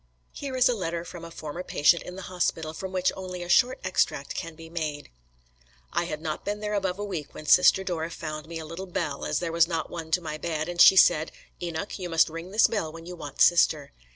Here is a letter from a former patient in the hospital, from which only a short extract can be made: "I had not been there above a week when Sister Dora found me a little bell, as there was not one to my bed, and she said, 'Enoch, you must ring this bell when you want sister.'